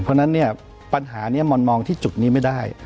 เพราะฉะนั้นปัญหานี้มองที่จุดนี้ไม่ได้